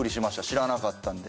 知らなかったんで。